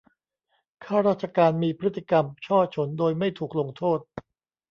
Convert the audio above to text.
ข้าราชการมีพฤติกรรมฉ้อฉลโดยไม่ถูกลงโทษ